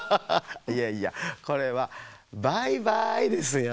いやいやこれは「バイバイ」ですよ。